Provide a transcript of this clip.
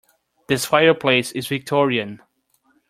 This fireplace is Victorian.